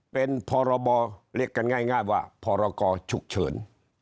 เป็นพรบเรียกกันง่ายว่าพรกรฉุกเฉิน